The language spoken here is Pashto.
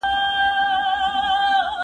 انلاين فورمونه معلومات تبادله اسانه کوي.